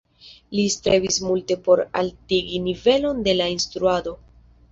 Li strebis multe por altigi nivelon de la instruado.